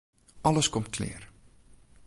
Alles komt klear.